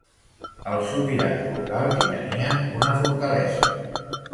Els sobirans locals hi tenien una fortalesa.